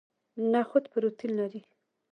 نخود پروتین لري